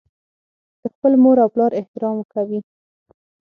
د خپل مور او پلار احترام کوي.